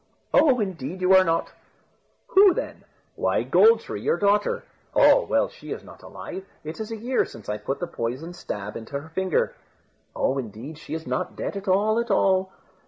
"Oh! indeed you are not." "Who then?" "Why, Gold tree, your daughter." "Oh! well, she is not alive. It is a year since I put the poisoned stab into her finger." "Oh! indeed she is not dead at all, at all."